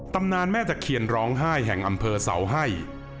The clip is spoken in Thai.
ตำนานแม่ตะเคียนร้องไห้แห่งอำเภอเสาให้